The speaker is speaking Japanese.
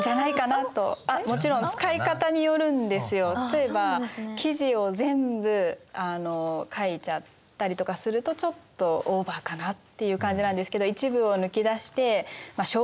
例えば記事を全部書いちゃったりとかするとちょっとオーバーかなっていう感じなんですけど一部を抜き出して紹介をすると。